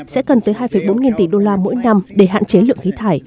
sẽ cần tới hai bốn nghìn tỷ đô la mỗi năm để hạn chế lượng khí thải